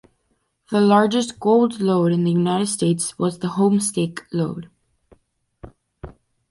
The largest gold lode in the United States was the Homestake Lode.